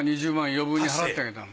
余分に払ってあげたの。